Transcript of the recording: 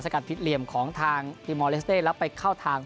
สกัดพิษเหลี่ยมของทางและไปเข้าทาง